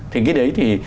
thì cái đấy thì